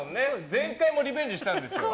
前回もリベンジしたんですよ。